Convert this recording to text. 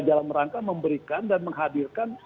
dalam rangka memberikan dan menghadirkan